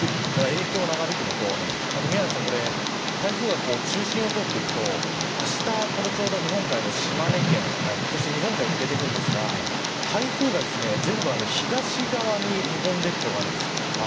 影響が長引くのと台風が中心を通っていくと明日、この日本海の島根県日本海を抜けていくんですが台風が全部東側に日本列島があるんです。